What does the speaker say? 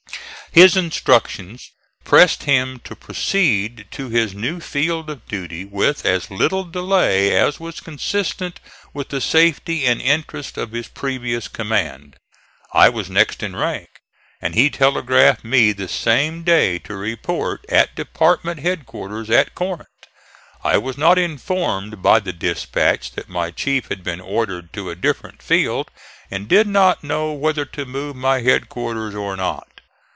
His instructions pressed him to proceed to his new field of duty with as little delay as was consistent with the safety and interests of his previous command. I was next in rank, and he telegraphed me the same day to report at department headquarters at Corinth. I was not informed by the dispatch that my chief had been ordered to a different field and did not know whether to move my headquarters or not.